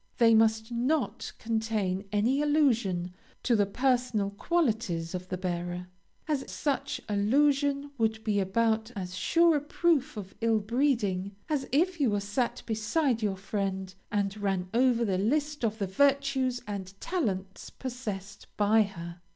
They must not contain any allusion to the personal qualities of the bearer, as such allusion would be about as sure a proof of ill breeding as if you sat beside your friend, and ran over the list of the virtues and talents possessed by her.